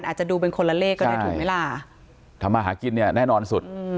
อาจจะดูเป็นคนละเลขก็ได้ถูกไหมล่ะทำมาหากินเนี่ยแน่นอนสุด